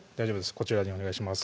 こちらにお願いします